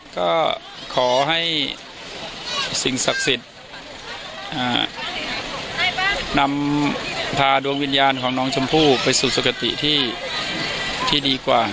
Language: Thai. ก็ขอให้สิ่งศักดิ์สิทธิ์นำพาดวงวิญญาณของน้องชมพู่ไปสู่สุขติที่ดีกว่า